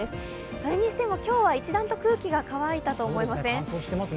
それにしても今日は一段と空気が乾いたと思いません？